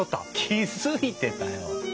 気付いてたよ！